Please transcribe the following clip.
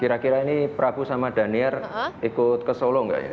kira kira ini prabu sama danier ikut ke solo enggak ya